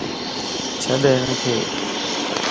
ڇڏ ھنکِ